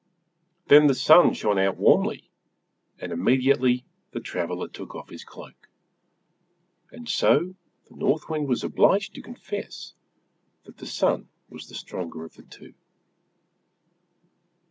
Then the Sun shined out warmly, and immediately the traveler took off his cloak. And so the North Wind was obliged to confess that the Sun was the stronger of the two.